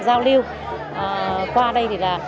giao lưu qua đây thì là